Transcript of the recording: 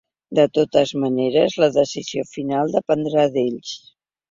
De totes maneres, la decisió final dependrà d’ells.